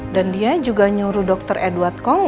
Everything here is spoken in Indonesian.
dan dia juga nyuruh dokter edward kong